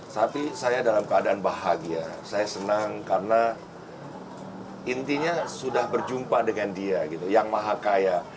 tapi saya dalam keadaan bahagia saya senang karena intinya sudah berjumpa dengan dia yang maha kaya